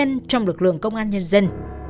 các nhân trong lực lượng công an nhân dân